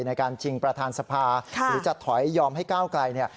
ในการชิงประธานสภาหรือจะถอยยอมให้ก้าวไกลเนี่ย